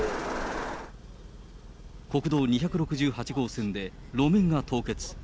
国道２６８号線で、路面が凍結。